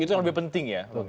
itu yang lebih penting ya